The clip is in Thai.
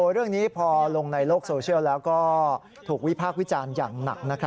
เรื่องนี้พอลงในโลกโซเชียลแล้วก็ถูกวิพากษ์วิจารณ์อย่างหนัก